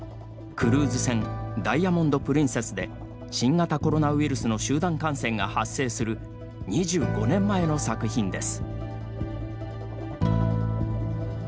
クルーズ船ダイヤモンド・プリンセスで新型コロナウイルスの集団感染が発生する２５年前の作品です。